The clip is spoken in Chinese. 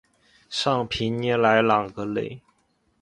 尚皮尼莱朗格雷。